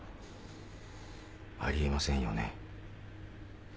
ありえませんよね。